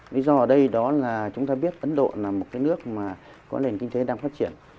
lý do ở đây đó là chúng ta biết ấn độ là một cái nước mà có nền kinh tế đang phát triển